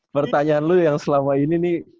pertanyaan lu yang selama ini nih